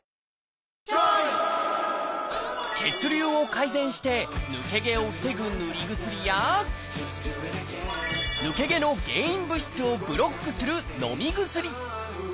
血流を改善して抜け毛を防ぐ塗り薬や抜け毛の原因物質をブロックするのみ薬。